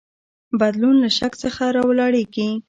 بدلون له شک څخه راولاړیږي.